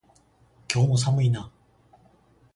今日も寒いな